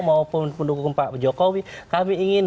maupun pendukung pak jokowi kami ingin